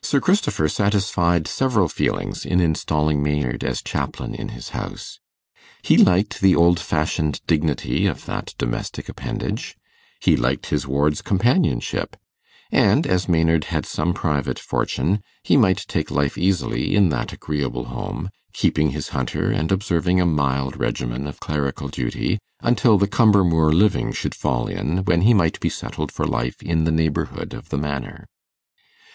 Sir Christopher satisfied several feelings in installing Maynard as chaplain in his house. He liked the old fashioned dignity of that domestic appendage; he liked his ward's companionship; and, as Maynard had some private fortune, he might take life easily in that agreeable home, keeping his hunter, and observing a mild regimen of clerical duty, until the Cumbermoor living should fall in, when he might be settled for life in the neighbourhood of the manor.